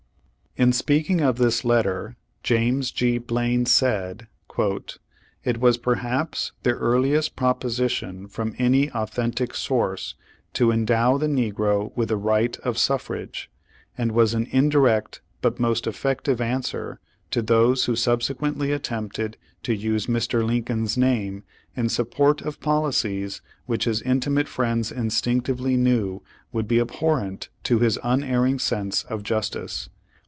In speaking of this letter, James G. Blaine said : "It was perhaps the earliest proposition from any authentic source to endow the negro with the right of suffrage, and ^vas an indirect but most effective answer to those who subsequently at tempted to use Mr. Lincoln's name in support of policies which his intimate friends instinctively knew would be abhorent to his unerring sense of justice."